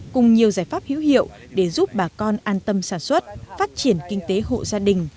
cùng nhiều giải pháp hữu hiệu để giúp bà con an tâm sản xuất phát triển kinh tế hộ gia đình